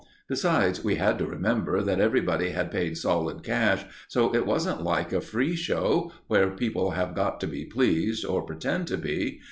Besides, we had to remember that everybody had paid solid cash, so it wasn't like a free show, where people have got to be pleased, or pretend to be.